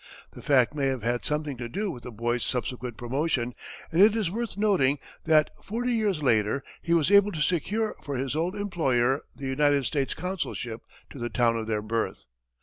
The fact may have had something to do with the boy's subsequent promotion, and it is worth noting that forty years later, he was able to secure for his old employer the United States consulship to the town of their birth.